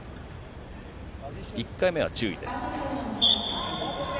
１回目は注意です。